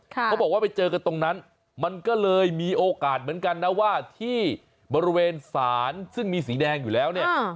เขาบอกว่าไปเจอกันตรงนั้นมันก็เลยมีโอกาสเหมือนกันนะว่าที่บริเวณศาลซึ่งมีสีแดงอยู่แล้วเนี่ย